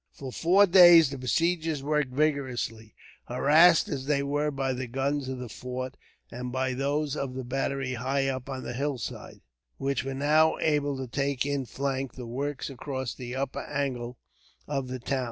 For four days the besiegers worked vigorously, harassed as they were by the guns of the fort, and by those of the battery high up on the hillside, which were now able to take in flank the works across the upper angle of the town.